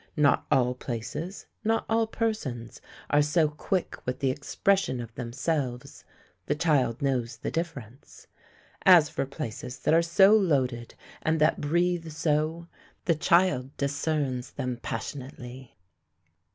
Not all places, nor all persons, are so quick with the expression of themselves; the child knows the difference. As for places that are so loaded, and that breathe so, the child discerns them passionately.